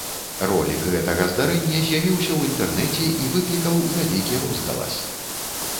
Ролік гэтага здарэння з'явіўся ў інтэрнэце і выклікаў вялікі розгалас.